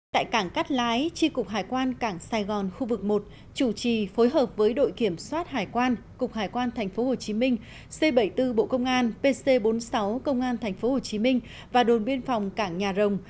tại cảng cát lái chi cục hải quan cảng sài gòn khu vực một chủ trì phối hợp với đội kiểm soát hải quan cục hải quan tp hcm c bảy mươi bốn bộ công an pc bốn mươi sáu công an tp hcm và đồn biên phòng cảng nhà rồng